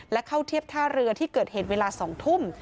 และเข้าเทียบท่าเรือที่เกิดเหตุเวลา๒ทุ่ม